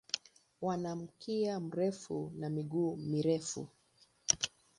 Wana mkia mrefu na miguu mirefu.